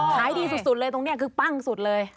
ขายดีสุดเลยตรงนี้คือปั้งสุดเลย